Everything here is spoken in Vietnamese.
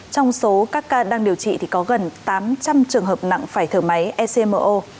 trong số các ca đang điều trị thì có gần tám trăm linh trường hợp nặng phải thở máy ecmo